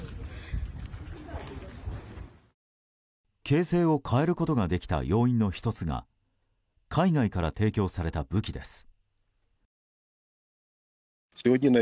形勢を変えることができた要因の１つが海外から提供された武器です。